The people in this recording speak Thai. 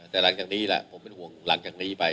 แต่หลังจากนี้แหละผมเป็นห่วงหลังจากนี้ไป